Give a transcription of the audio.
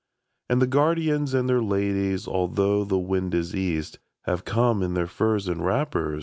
And the guardians and their ladies. Although the wind is east. Have come in their furs and v\rapper5.